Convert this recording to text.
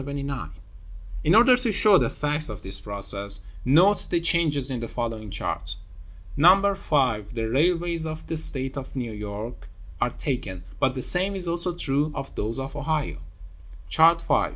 In order to show the facts of this process, note the changes in the following chart, No. V. The railways of the State of New York are taken, but the same is also true of those of Ohio: Chart V.